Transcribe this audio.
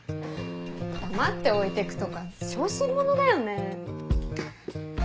黙って置いてくとか小心者だよね。